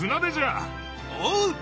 おう！